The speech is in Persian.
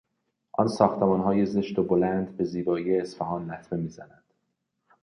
آن ساختمانهای زشت و بلند به زیبایی اصفهان لطمه میزنند.